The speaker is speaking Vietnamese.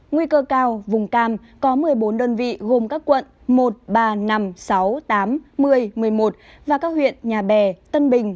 nguy cơ cao vùng cam có một mươi bốn đơn vị gồm các quận một ba năm sáu tám một mươi một mươi một và các huyện nhà bè tân bình